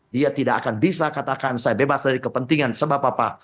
dia tidak akan bisa katakan saya bebas dari kepentingan sebab apa apa